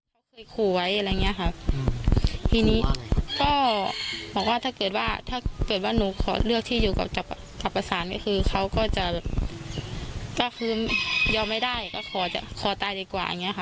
เขาเคยขู่ไว้อะไรอย่างเงี้ยค่ะทีนี้ก็บอกว่าถ้าเกิดว่าถ้าเกิดว่าหนูขอเลือกที่อยู่กับจับประสานก็คือเขาก็จะแบบก็คือยอมไม่ได้ก็ขอจะขอตายดีกว่าอย่างเงี้ค่ะ